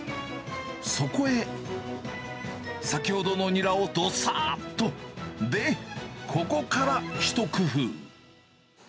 そこへ、先ほどのニラをどさっと、で、ここから一工夫。